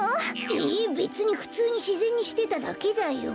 えべつにふつうにしぜんにしてただけだよ。